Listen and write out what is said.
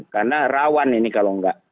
karena rawan ini kalau nggak